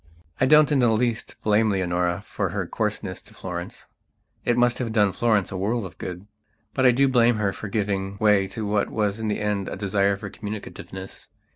I don't in the least blame Leonora for her coarseness to Florence; it must have done Florence a world of good. But I do blame her for giving way to what was in the end a desire for communicativeness.